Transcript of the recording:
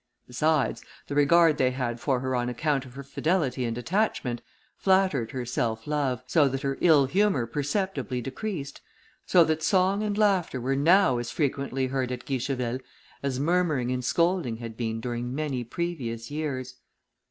Besides, the regard they had for her on account of her fidelity and attachment, flattered her self love, so that her ill humour perceptibly decreased; so that song and laughter were now as frequently heard at Guicheville, as murmuring and scolding had been during many previous years.